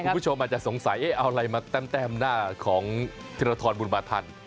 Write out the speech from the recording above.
คุณผู้ชมอาจจะสงสัยเอาอะไรมาแต้มหน้าของธิรทรบุญมาทัน